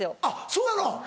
あっそうなの。